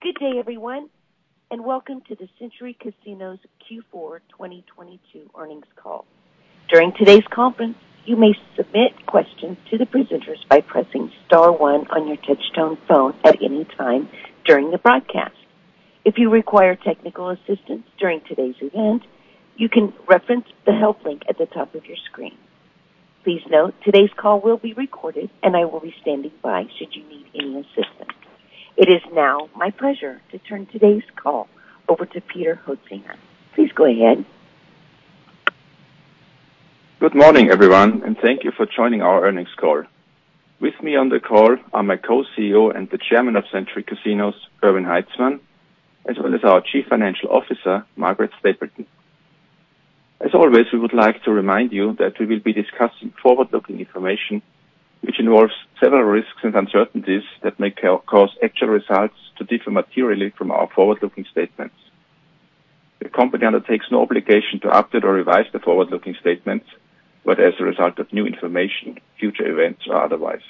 Good day, everyone. Welcome to the Century Casinos Q4 2022 Earnings Call. During today's conference, you may submit questions to the presenters by pressing star one on your touchtone phone at any time during the broadcast. If you require technical assistance during today's event, you can reference the help link at the top of your screen. Please note, today's call will be recorded, and I will be standing by should you need any assistance. It is now my pleasure to turn today's call over to Peter Hoetzinger. Please go ahead. Good morning, everyone. Thank you for joining our earnings call. With me on the call are my Co-CEO and the Chairman of Century Casinos, Erwin Haitzmann, as well as our Chief Financial Officer, Margaret Stapleton. As always, we would like to remind you that we will be discussing forward-looking information, which involves several risks and uncertainties that may cause actual results to differ materially from our forward-looking statements. The company undertakes no obligation to update or revise the forward-looking statements, whether as a result of new information, future events, or otherwise.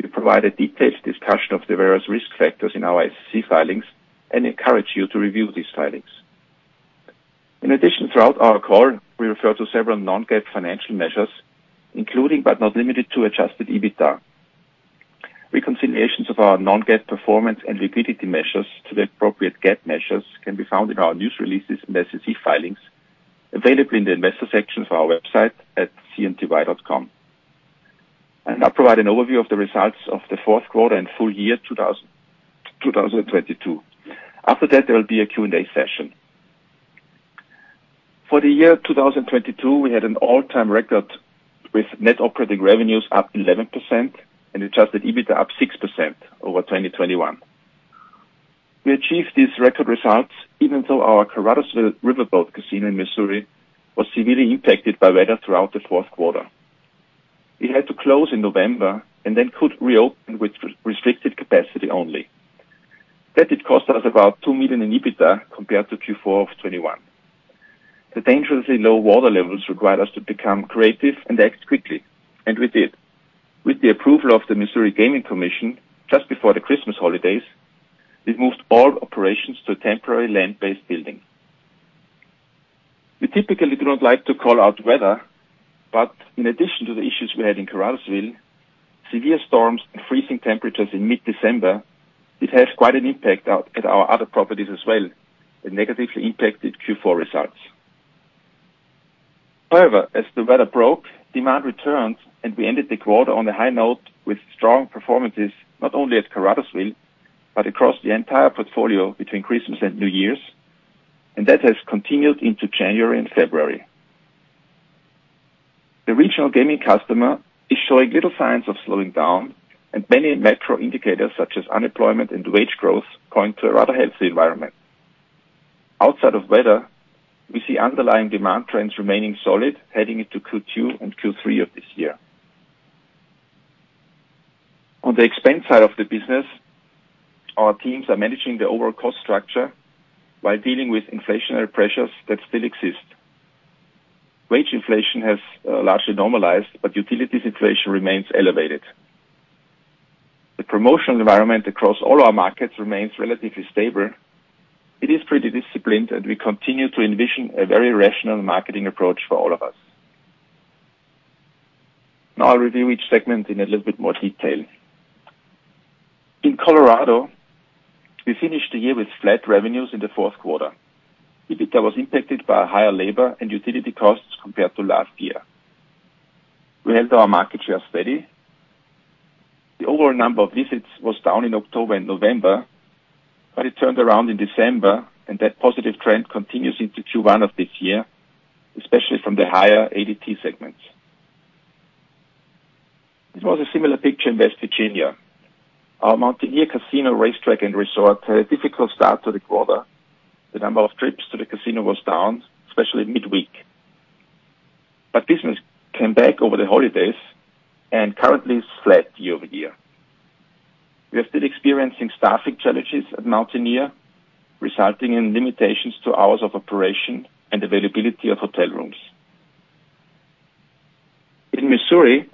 We provide a detailed discussion of the various risk factors in our SEC filings and encourage you to review these filings. Throughout our call, we refer to several non-GAAP financial measures, including, but not limited to, Adjusted EBITDA. Reconciliations of our non-GAAP performance and liquidity measures to the appropriate GAAP measures can be found in our news releases and SEC filings available in the investor section of our website at cnty.com. I'll now provide an overview of the results of the fourth quarter and full year 2022. After that, there will be a Q&A session. For the year 2022, we had an all-time record with net operating revenues up 11% and Adjusted EBITDA up 6% over 2021. We achieved these record results even though our Caruthersville riverboat casino in Missouri was severely impacted by weather throughout the fourth quarter. It had to close in November and then could reopen with re-restricted capacity only. That it cost us about $2 million in EBITDA compared to Q4 of 2021. The dangerously low water levels required us to become creative and act quickly. We did. With the approval of the Missouri Gaming Commission just before the Christmas holidays, we moved all operations to a temporary land-based building. We typically do not like to call out weather. In addition to the issues we had in Caruthersville, severe storms and freezing temperatures in mid-December, it has quite an impact out at our other properties as well. It negatively impacted Q4 results. As the weather broke, demand returned. We ended the quarter on a high note with strong performances, not only at Caruthersville, but across the entire portfolio between Christmas and New Year's. That has continued into January and February. The regional gaming customer is showing little signs of slowing down. Many macro indicators, such as unemployment and wage growth, point to a rather healthy environment. Outside of weather, we see underlying demand trends remaining solid heading into Q2 and Q3 of this year. On the expense side of the business, our teams are managing the overall cost structure while dealing with inflationary pressures that still exist. Wage inflation has largely normalized, but utilities inflation remains elevated. The promotional environment across all our markets remains relatively stable. It is pretty disciplined. We continue to envision a very rational marketing approach for all of us. I'll review each segment in a little bit more detail. In Colorado, we finished the year with flat revenues in the fourth quarter. EBITDA was impacted by higher labor and utility costs compared to last year. We held our market share steady. The overall number of visits was down in October and November, but it turned around in December, and that positive trend continues into Q1 of this year, especially from the higher ADT segments. It was a similar picture in West Virginia. Our Mountaineer Casino, Racetrack & Resort had a difficult start to the quarter. The number of trips to the casino was down, especially midweek. Business came back over the holidays and currently is flat year-over-year. We are still experiencing staffing challenges at Mountaineer, resulting in limitations to hours of operation and availability of hotel rooms. In Missouri,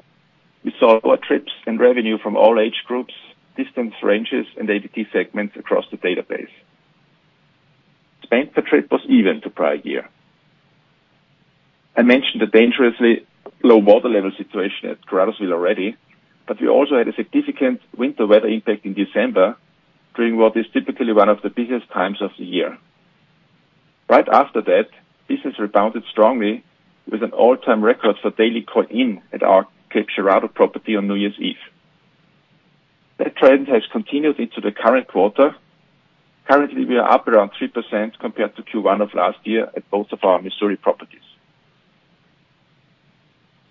we saw our trips and revenue from all age groups, distance ranges, and ADT segments across the database. Spend per trip was even to prior year. I mentioned the dangerously low water level situation at Caruthersville already, but we also had a significant winter weather impact in December during what is typically one of the busiest times of the year. Right after that, business rebounded strongly with an all-time record for daily coin-in at our Cape Girardeau property on New Year's Eve. That trend has continued into the current quarter. Currently, we are up around 3% compared to Q1 of last year at both of our Missouri properties.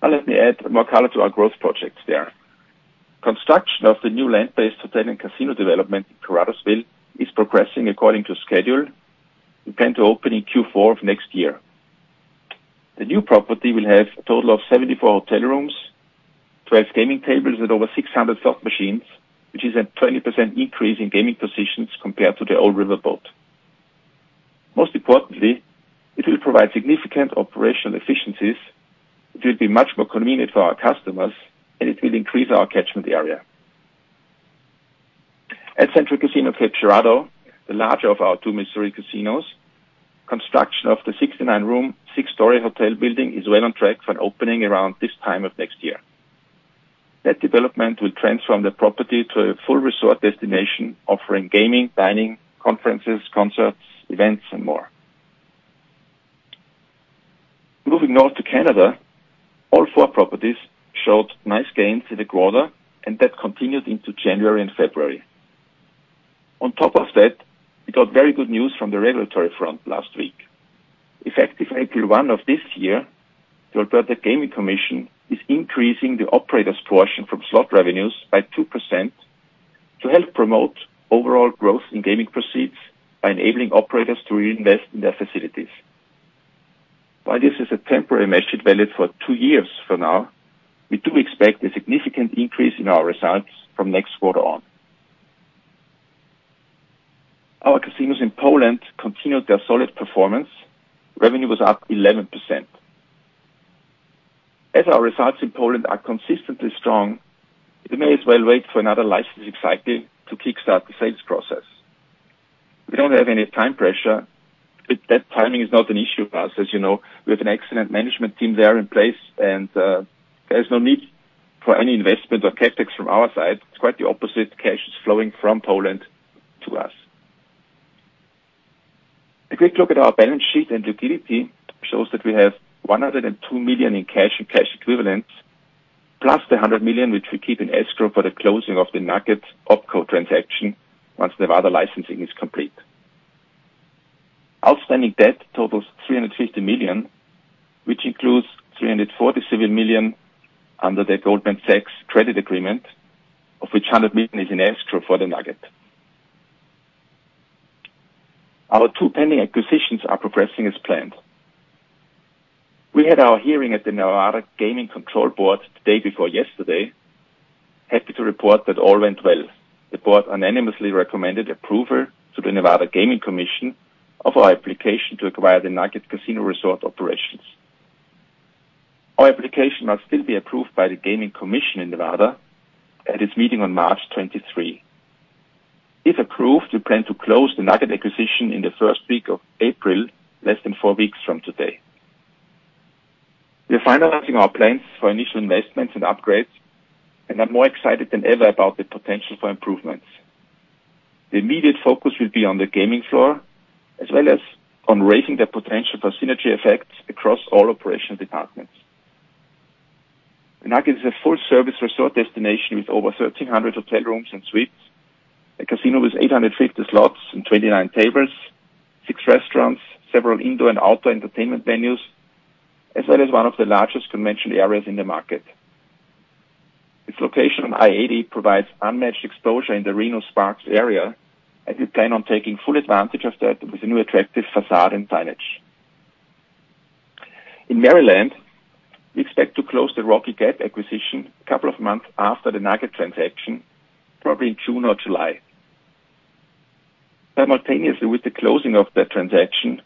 Now let me add more color to our growth projects there. Construction of the new land-based hotel and casino development in Caruthersville is progressing according to schedule. We plan to open in Q4 of next year. The new property will have a total of 74 hotel rooms, 12 gaming tables with over 600 slot machines, which is a 20% increase in gaming positions compared to the old riverboat. Most importantly, it will provide significant operational efficiencies. It will be much more convenient for our customers. It will increase our catchment area. At Century Casino Cape Girardeau, the larger of our two Missouri casinos, construction of the 69-room, six-story hotel building is well on track for an opening around this time of next year. That development will transform the property to a full resort destination offering gaming, dining, conferences, concerts, events, and more. Moving north to Canada, all four properties showed nice gains in the quarter. That continued into January and February. On top of that, we got very good news from the regulatory front last week. Effective April 1 of this year, the Alberta Gaming Commission is increasing the operator's portion from slot revenues by 2% to help promote overall growth in gaing proceeds by enabling operators to reinvest in their facilities. While this is a temporary measure valid for two years for now, we do expect a significant increase in our results from next quarter on. Our casinos in Poland continued their solid performance. Revenue was up 11%. As our results in Poland are consistently strong, we may as well wait for another licensing cycle to kickstart the sales process. We don't have any time pressure. That timing is not an issue for us. As you know, we have an excellent management team there in place, and there's no need for any investment or CapEx from our side. It's quite the opposite. Cash is flowing from Poland to us. A quick look at our balance sheet and liquidity shows that we have $102 million in cash and cash equivalents, plus the $100 million, which we keep in escrow for the closing of the Nugget OpCo transaction once Nevada licensing is complete. Outstanding debt totals $350 million, which includes $347 million under the Goldman Sachs credit agreement, of which $100 million is in escrow for the Nugget. Our two pending acquisitions are progressing as planned. We had our hearing at the Nevada Gaming Control Board the day before yesterday. Happy to report that all went well. The board unanimously recommended approval to the Nevada Gaming Commission of our application to acquire the Nugget Casino Resort operations. Our application must still be approved by the Gaming Commission in Nevada at its meeting on March 23. If approved, we plan to close the Nugget acquisition in the first week of April, less than four weeks from today. We are finalizing our plans for initial investments and upgrades, and I'm more excited than ever about the potential for improvements. The immediate focus will be on the gaming floor, as well as on raising the potential for synergy effects across all operation departments. Nugget is a full-service resort destination with over 1,300 hotel rooms and suites, a casino with 850 slots and 29 tables, six restaurants, several indoor and outdoor entertainment venues, as well as one of the largest convention areas in the market. Its location on I-80 provides unmatched exposure in the Reno-Sparks area, and we plan on taking full advantage of that with a new attractive facade and signage. In Maryland, we expect to close the Rocky Gap acquisition a couple of months after the Nugget transaction, probably in June or July. Simultaneously, with the closing of that transaction,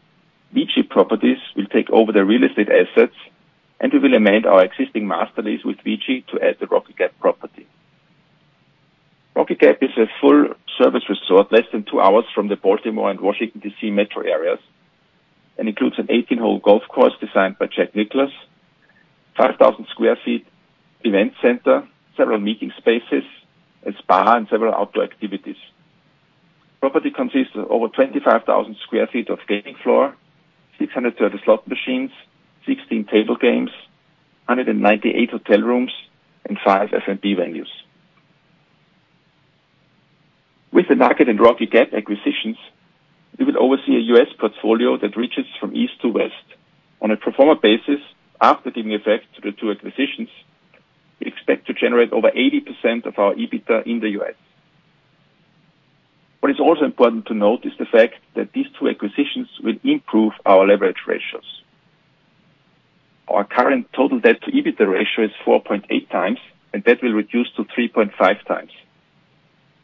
VICI Properties will take over the real estate assets, and we will amend our existing Master Lease with VICI to add the Rocky Gap property. Rocky Gap is a full-service resort less than two hours from the Baltimore and Washington, D.C. metro areas and includes an 18-hole golf course designed by Jack Nicklaus, 5,000 sq ft event center, several meeting spaces, a spa, and several outdoor activities. Property consists of over 25,000 sq ft of gaming floor, 630 slot machines, 16 table games, 198 hotel rooms, and five F&B venues. With the Nugget and Rocky Gap acquisitions, we will oversee a U.S. portfolio that reaches from east to west. On a pro forma basis, after taking effect to the two acquisitions, we expect to generate over 80% of our EBITDA in the US. What is also important to note is the fact that these two acquisitions will improve our leverage ratios. Our current total debt to EBITDA ratio is 4.8x, and that will reduce to 3.5x.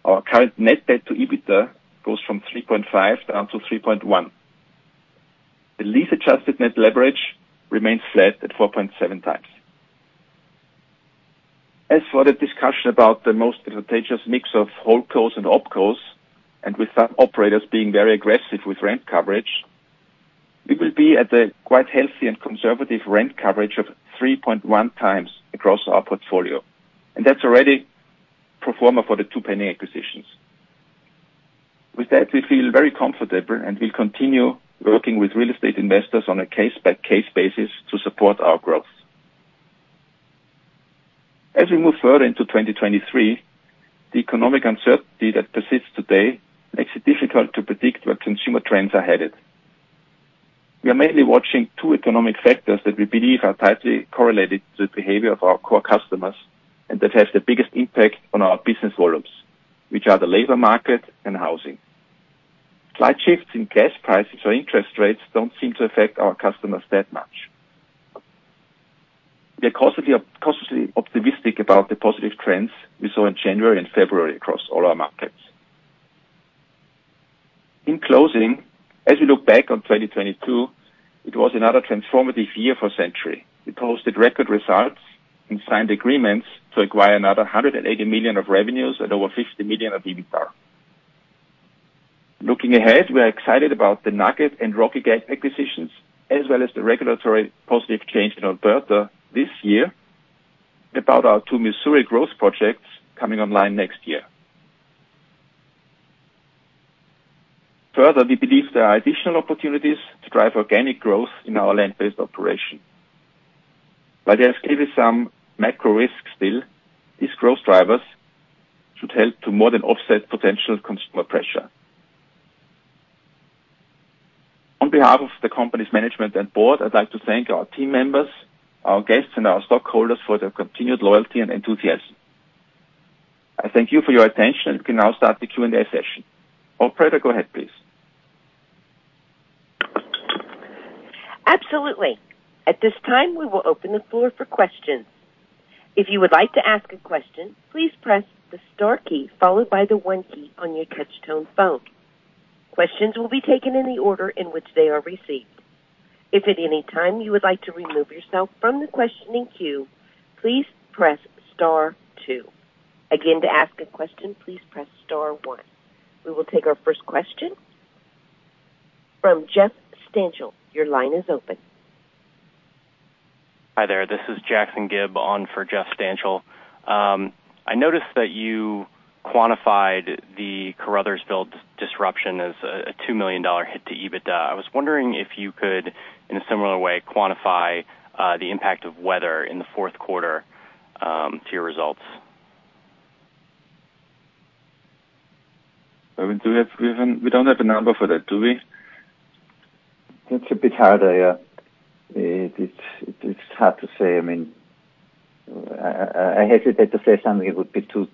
Our current net debt to EBITDA goes from 3.5 down to 3.1. The lease-adjusted net leverage remains flat at 4.7x. As for the discussion about the most advantageous mix of HoldCos and OpCos, and with some operators being very aggressive with rent coverage, we will be at a quite healthy and conservative rent coverage of 3.1x across our portfolio, and that's already pro forma for the two pending acquisitions. With that, we feel very comfortable, and we'll continue working with real estate investors on a case-by-case basis to support our growth. As we move further into 2023, the economic uncertainty that persists today makes it difficult to predict where consumer trends are headed. We are mainly watching two economic factors that we believe are tightly correlated to the behavior of our core customers and that has the biggest impact on our business volumes, which are the labor market and housing. Slight shifts in gas prices or interest rates don't seem to affect our customers that much. We are cautiously optimistic about the positive trends we saw in January and February across all our markets. In closing, as we look back on 2022, it was another transformative year for Century. We posted record results and signed agreements to acquire another $180 million of revenues at over $50 million of EBITDA. Looking ahead, we are excited about the Nugget and Rocky Gap acquisitions, as well as the regulatory positive change in Alberta this year, about our two Missouri growth projects coming online next year. Further, we believe there are additional opportunities to drive organic growth in our land-based operation. While there is clearly some macro risk still, these growth drivers should help to more than offset potential consumer pressure. On behalf of the company's management and board, I'd like to thank our team members, our guests, and our stockholders for their continued loyalty and enthusiasm. I thank you for your attention. We can now start the Q&A session. Operator, go ahead, please. Absolutely. At this time, we will open the floor for questions. If you would like to ask a question, please press the star key followed by the one key on your touch tone phone. Questions will be taken in the order in which they are received. If at any time you would like to remove yourself from the questioning queue, please press star two. Again, to ask a question, please press star one. We will take our first question from Jeff Stantial. Your line is open. Hi there. This is Jackson Gibb on for Jeff Stantial. I noticed that you quantified the Caruthersville disruption as a $2 million hit to EBITDA. I was wondering if you could, in a similar way, quantify the impact of weather in the fourth quarter to your results. Erwin, we don't have a number for that, do we? That's a bit harder, yeah. It's hard to say. I mean, I hesitate to say something. It would be too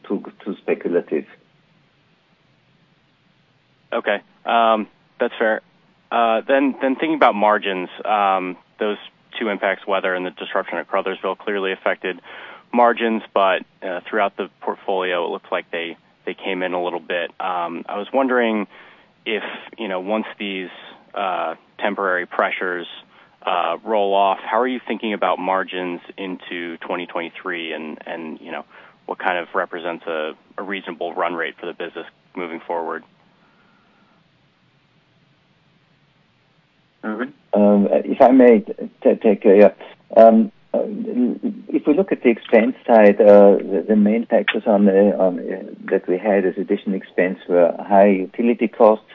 speculative. Okay. That's fair. Thinking about margins, those two impacts, weather and the disruption at Caruthersville clearly affected margins, throughout the portfolio, it looks like they came in a little bit. I was wondering if, you know, once these temporary pressures roll off, how are you thinking about margins into 2023, and you know, what kind of represents a reasonable run rate for the business moving forward? Erwin? If I may take, yeah. If we look at the expense side, the main factors on the that we had as additional expense were high utility costs,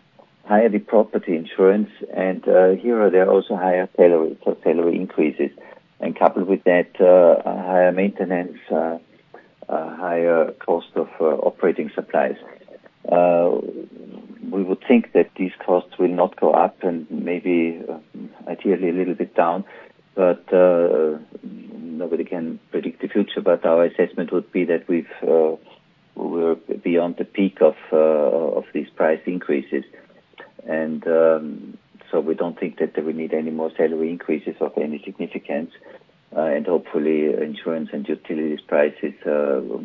higher the property insurance, and here there are also higher salary, so salary increases. Coupled with that, higher maintenance, higher cost of operating supplies. We would think that these costs will not go up and maybe ideally a little bit down, but nobody can predict the future. Our assessment would be that we've, we're beyond the peak of these price increases. We don't think that there we need any more salary increases of any significance, and hopefully insurance and utilities prices will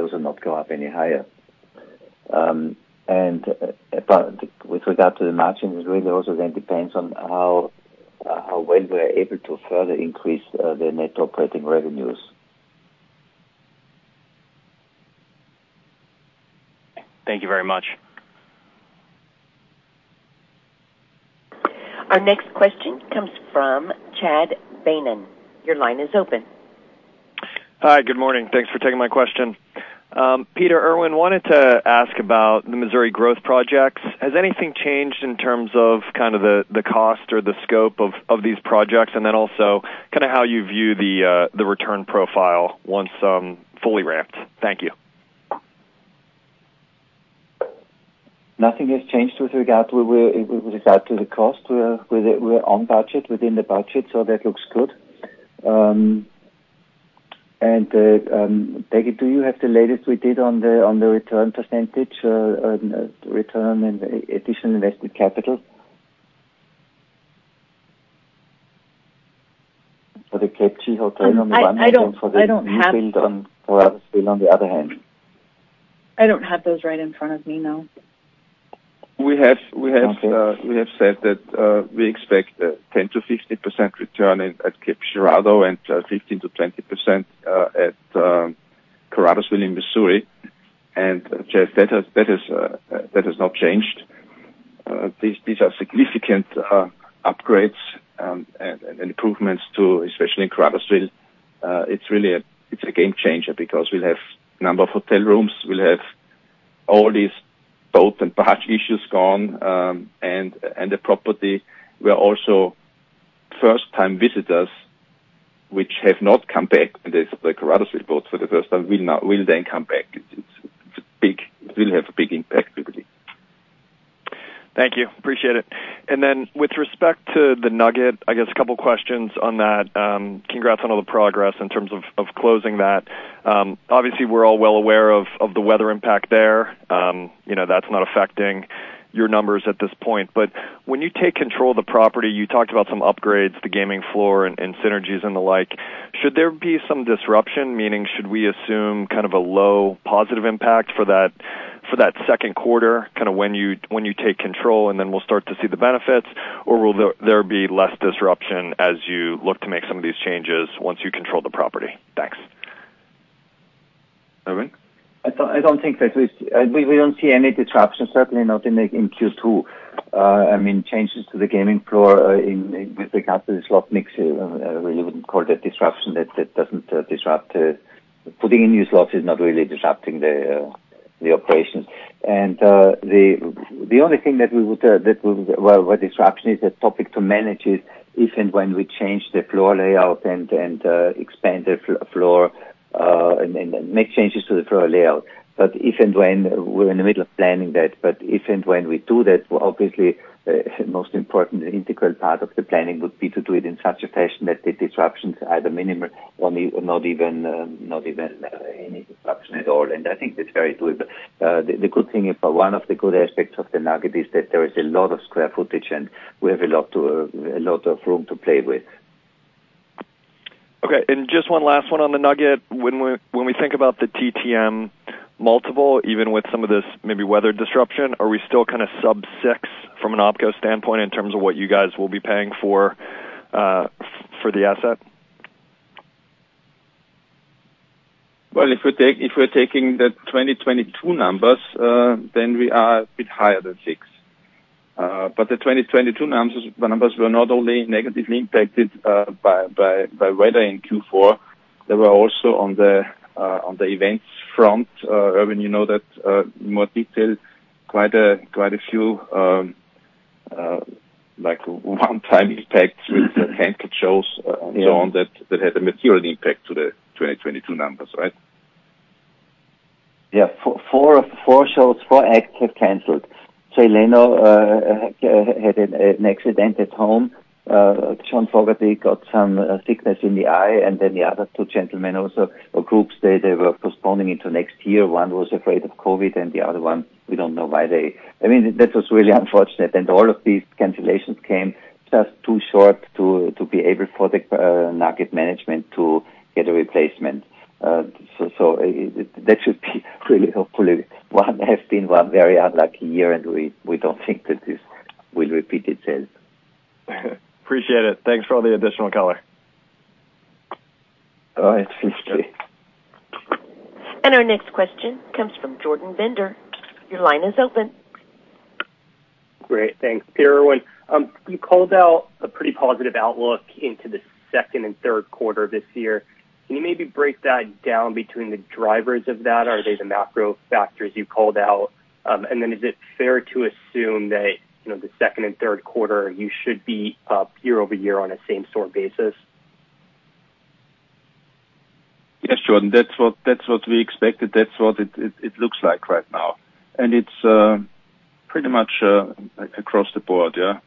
also not go up any higher. With regard to the margins, it really also then depends on how well we're able to further increase the net operating revenues. Thank you very much. Our next question comes from Chad Beynon. Your line is open. Hi. Good morning. Thanks for taking my question. Peter, Erwin, wanted to ask about the Missouri growth projects. Has anything changed in terms of kind of the cost or the scope of these projects, and then also kind of how you view the return profile once fully ramped? Thank you. Nothing has changed with regard to with regard to the cost. We're on budget, within the budget, so that looks good. Becky, do you have the latest we did on the, on the return percentage, on return and additional invested capital? For the Cape Gi hotel on the one hand. I don't have- For the rebuild on Caruthersville on the other hand. I don't have those right in front of me, no. We have said that we expect 10%-15% return at Cape Girardeau, and 15%-20% at Caruthersville in Missouri. Chad, that has not changed. These are significant upgrades and improvements to, especially in Caruthersville. It's really a game changer because we'll have number of hotel rooms, we'll have all these boat and barge issues gone, and the property will also first time visitors which have not come back, and this is the Caruthersville boat for the first time, will then come back. It will have a big impact, really. Thank you. Appreciate it. With respect to the Nugget, I guess a couple questions on that. Congrats on all the progress in terms of closing that. Obviously, we're all well aware of the weather impact there. You know, that's not affecting your numbers at this point. When you take control of the property, you talked about some upgrades, the gaming floor and synergies and the like. Should there be some disruption? Meaning should we assume kind of a low positive impact for that second quarter, kind of when you take control and then we'll start to see the benefits? Or will there be less disruption as you look to make some of these changes once you control the property? Thanks. Erwin? I don't think we don't see any disruption, certainly not in Q2. I mean, changes to the gaming floor with regard to the slot mix, we wouldn't call that disruption. That doesn't disrupt putting in new slots is not really disrupting the operations. The only thing that we would, Well, what disruption is a topic to manage is if and when we change the floor layout and expand the floor and make changes to the floor layout. If and when we're in the middle of planning that, if and when we do that, obviously, most important and integral part of the planning would be to do it in such a fashion that the disruptions are either minimal or not even any disruption at all. I think that's very doable. The good thing is, one of the good aspects of the Nugget is that there is a lot of square footage, and we have a lot to a lot of room to play with. Okay, just one last one on the Nugget. When we think about the TTM multiple, even with some of this maybe weather disruption, are we still kinda sub six from an OpCo standpoint in terms of what you guys will be paying for the asset? Well, if we're taking the 2022 numbers, then we are a bit higher than six. But the 2022 numbers were not only negatively impacted by weather in Q4. They were also on the on the events front. Erwin, you know that in more detail, quite a few like one-time impacts with the canceled shows and so on. Yeah. That had a material impact to the 2022 numbers, right? Yeah. Four shows, four acts have canceled. Jay Leno had an accident at home. John Fogerty got some sickness in the eye. The other two gentlemen also, or groups, they were postponing into next year. One was afraid of COVID, and the other one, we don't know why they. I mean, that was really unfortunate. All of these cancellations came just too short to be able for the Nugget management to get a replacement. So that should be really hopefully what has been one very unlucky year, and we don't think that this will repeat itself. Appreciate it. Thanks for all the additional color. All right. Thanks, Chad. Our next question comes from Jordan Bender. Your line is open. Great. Thanks. Erwin, you called out a pretty positive outlook into the second and third quarter this year. Can you maybe break that down between the drivers of that? Are they the macro factors you called out? Is it fair to assume that, you know, the second and third quarter, you should be up year-over-year on a same-store basis? Yes, Jordan. That's what we expected. That's what it looks like right now. It's pretty much across the board, yeah.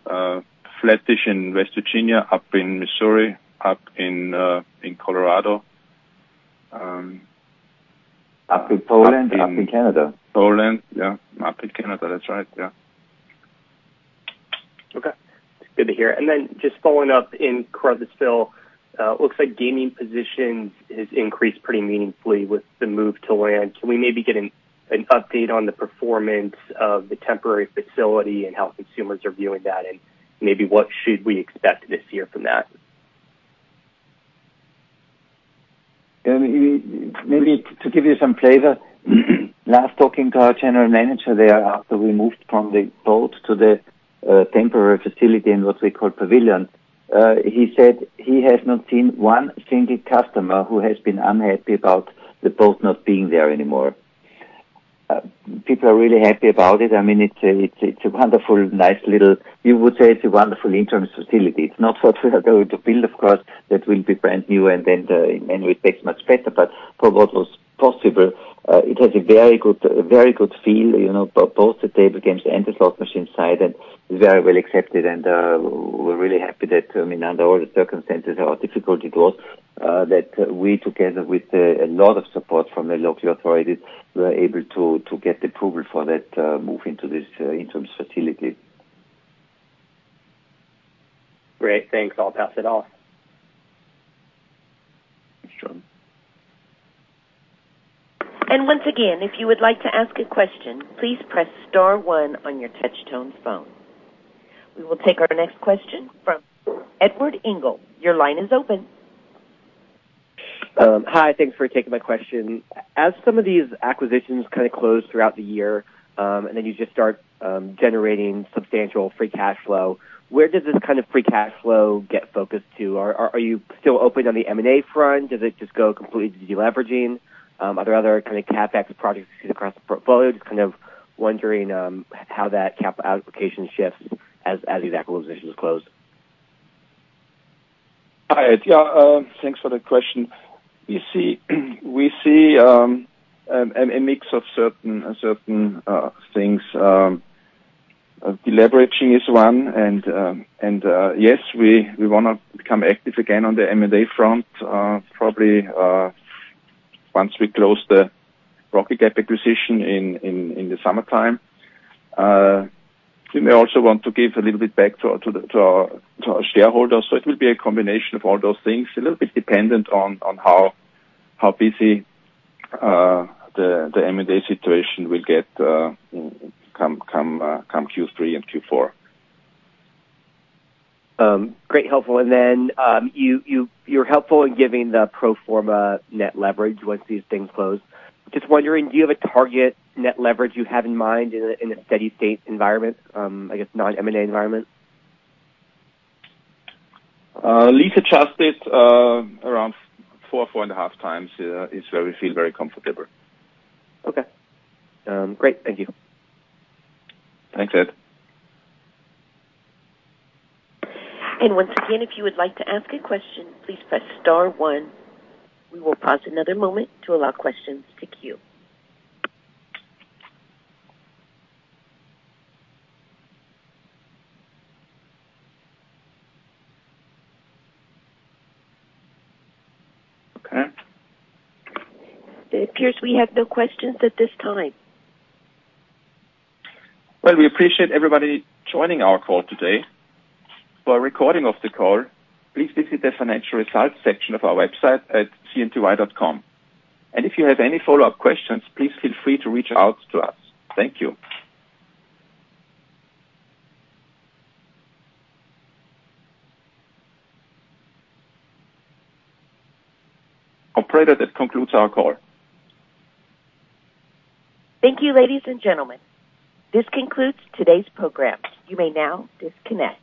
Flat-ish in West Virginia, up in Missouri, up in Colorado. Up in Poland, up in Canada. Poland, yeah. Up in Canada. That's right, yeah. Okay. That's good to hear. Just following up, in Caruthersville, looks like gaming position has increased pretty meaningfully with the move to land. Can we maybe get an update on the performance of the temporary facility and how consumers are viewing that? Maybe what should we expect this year from that? Maybe to give you some flavor, last talking to our general manager there after we moved from the boat to the temporary facility in what we call Pavilion, he said he has not seen one single customer who has been unhappy about the boat not being there anymore. People are really happy about it. I mean, it's a wonderful interim facility. It's not what we are going to build, of course. That will be brand new. It fits much better. For what was possible, it has a very good feel, you know, both the table games and the slot machine side, very well accepted. We're really happy that, I mean, under all the circumstances, how difficult it was, that we, together with, a lot of support from the local authorities, were able to get the approval for that, move into this, interim facility. Great. Thanks. I'll pass it off. Thanks, Jordan. Once again, if you would like to ask a question, please press star one on your touch tone phone. We will take our next question from Edward Engel. Your line is open. Hi. Thanks for taking my question. As some of these acquisitions kinda close throughout the year, you just start generating substantial free cash flow, where does this kind of free cash flow get focused to? Are you still open on the M&A front? Does it just go completely to deleveraging? Are there other kind of CapEx projects you see across the portfolio? Just kind of wondering, how that cap allocation shifts as these acquisitions close. Hi. Yeah, thanks for the question. We see a mix of certain things. Deleveraging is one, and yes, we wanna become active again on the M&A front, probably Once we close the Rocky Gap acquisition in the summertime, we may also want to give a little bit back to our shareholders. It will be a combination of all those things, a little bit dependent on how busy the M&A situation will get, come Q3 and Q4. Great, helpful. You're helpful in giving the pro forma net leverage once these things close. Just wondering, do you have a target net leverage you have in mind in a steady state environment, I guess, non-M&A environment? Lease-adjusted, around four and a half times, is where we feel very comfortable. Great. Thank you. Thanks, Ed. Once again, if you would like to ask a question, please press star one. We will pause another moment to allow questions to queue. Okay. It appears we have no questions at this time. Well, we appreciate everybody joining our call today. For a recording of the call, please visit the financial results section of our website at cnty.com. If you have any follow-up questions, please feel free to reach out to us. Thank you. Operator, that concludes our call. Thank you, ladies and gentlemen. This concludes today's program. You may now disconnect.